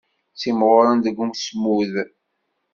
Ttimɣuren deg usmud.